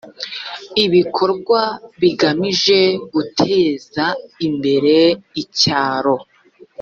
ibikorwa bigamije guteza imbere icyaro